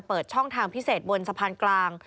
เปิดช่องทางพิเศษบนสะพานกลาง